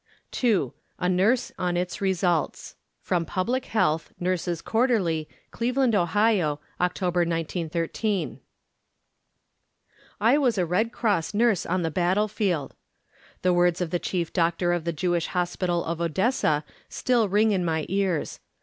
(II) A NURSE ON ITS RESULTS [From Public Health, Nurses' Quarterly, Cleveland, Ohio, October 1913] I was a Red Cross nurse on the battlefield. The words of the chief doctor of the Jewish Hospital of Odessa still ring in my ears.